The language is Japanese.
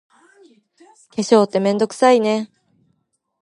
化粧って、めんどくさいよね。